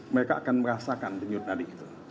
mereka akan merasakan denyut nadik